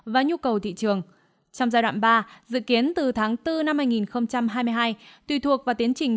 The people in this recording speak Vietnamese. và nhu cầu thị trường trong giai đoạn ba dự kiến từ tháng bốn năm hai nghìn hai mươi hai tùy thuộc vào tiến trình